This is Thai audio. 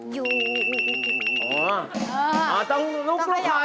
คุณบ้านเดียวกันแค่มองตากันก็เข้าใจอยู่